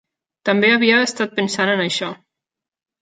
També havia estat pensant en això.